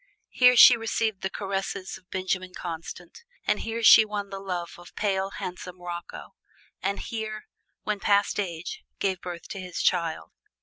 Here she received the caresses of Benjamin Constant, and here she won the love of pale, handsome Rocco, and here, "when past age," gave birth to his child.